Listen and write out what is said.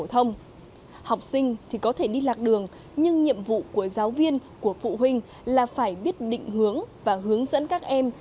học sinh thì có thể đi lạc đường nhưng nhiệm vụ của giáo viên của phụ huynh là phải biết định hướng và hướng dẫn các em